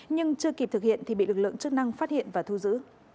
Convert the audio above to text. nhưng chưa kịp thực hiện thì bị lực lượng chức năng phát hiện và thu giữ